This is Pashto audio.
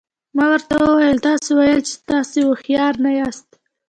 ما ورته وویل تاسي ویل چې تاسي هوښیار نه یاست.